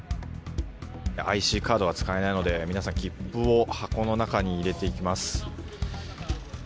ＩＣカードが使えないので皆さん、切符を箱の中に入れていきます。